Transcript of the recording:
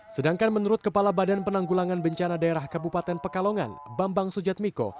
sedangkan menurut kepala badan penanggulangan bencana daerah kabupaten pekalongan bambang sujatmiko